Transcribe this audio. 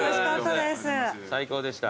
最高でした。